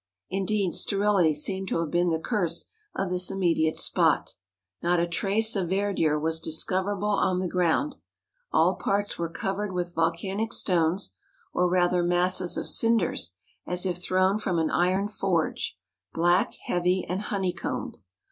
Indeed, sterility seemed to have been the curse of this immediate spot. Not a trace of verdure was Mount Ararat. discoverable on the ground; all parts were covered with volcanic stones, or rather masses of cinders, as if thrown from an iron forge,—black, heavy, and honey combed.